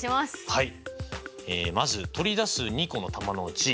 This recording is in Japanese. はい。